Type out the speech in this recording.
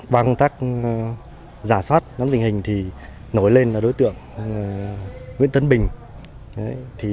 bằng tác giả soát nắm bình hình thì nổi lên là đối tượng nguyễn tấn bình